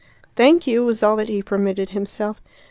"Thank you," was all that he permitted himself.